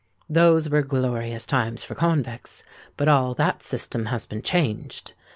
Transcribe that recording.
Those were glorious times for convicts; but all that system has been changed.